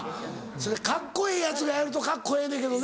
それカッコええヤツがやるとカッコええのやけどね。